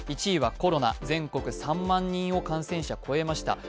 １位はコロナ全国３万人、感染者、超えました。